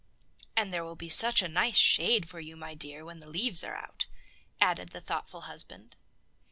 "And there will be such a nice shade for you, my dear, when the leaves are out," added the thoughtful husband.